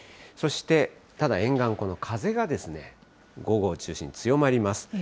そして、ただ、沿岸、この風が午後を中心に強まります。